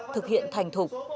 thực hiện thành thục